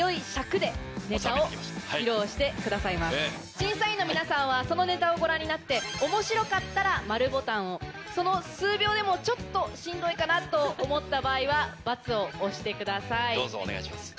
審査員の皆さんはそのネタをご覧になって面白かったら○ボタンをその数秒でもちょっとしんどいかなと思った場合は「×」を押してください。